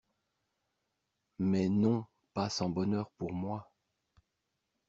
Mais non pas sans bonheur pour moi.